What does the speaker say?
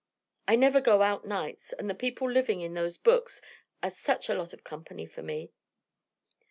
I never go out nights and the people living in those books are such a lot of company for me."